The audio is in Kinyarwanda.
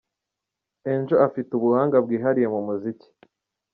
Angel afite ubuhanga bwihariye mu muziki.